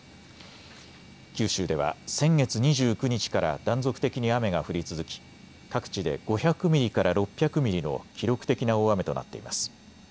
九州では先月２９日から断続的に雨が降り続き各地で５００ミリから６００ミリの記録的な大雨となっています。